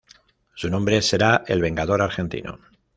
Su nombre será el Vengador Argentino"".